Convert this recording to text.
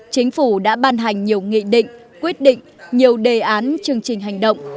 chính phủ đã ban hành nhiều nghị định quyết định nhiều đề án chương trình hành động